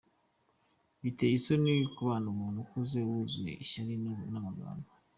Biteye isoni kubona umuntu ukuze wuzuye ishyari n’amagambo!